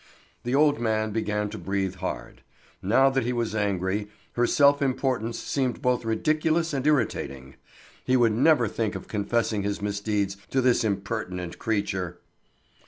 The old man began to breathe hard. Now that he was angry, her self importance seemed both ridiculous and irritating. He would never think of confessing his misdeeds to this impertinent creature!